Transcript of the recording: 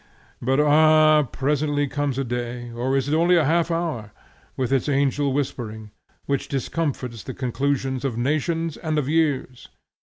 But ah! presently comes a day, or is it only a half hour, with its angel whispering, which discomfits the conclusions of nations and of years!